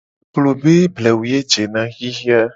Klo be blewu ye jena xixe a.